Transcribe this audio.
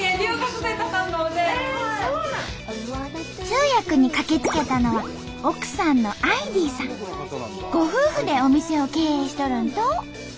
通訳に駆けつけたのは奥さんのご夫婦でお店を経営しとるんと！